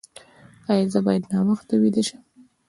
ایا زه باید ناوخته ویده شم؟